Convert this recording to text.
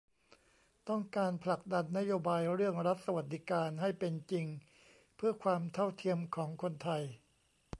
ต้องการผลักดันนโยบายเรื่องรัฐสวัสดิการ ให้เป็นจริงเพื่อความเท่าเทียมของคนไทย